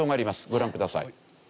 ご覧ください。